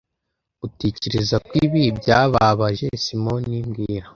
Utekereza ko ibi byababaje Simoni mbwira